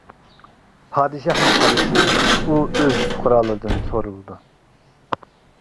پادىشاھمۇ پادىچى، ئۇ ئۆز پۇقرالىرىدىن سورىلىدۇ.